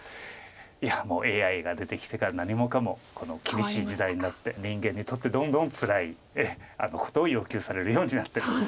いやもうＡＩが出てきてから何もかも厳しい時代になって人間にとってどんどんつらいことを要求されるようになってるんです。